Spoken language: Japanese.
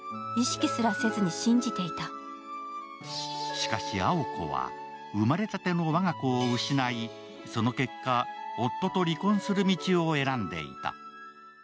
しかし青子は生まれたての我が子を失い、その結果、夫と離婚する道を選んでいた。